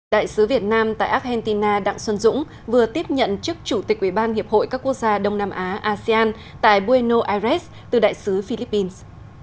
đại sứ việt nam tại argentina đặng xuân dũng vừa tiếp nhận chức chủ tịch ubh các quốc gia đông nam á asean tại buenos aires từ đại sứ philippines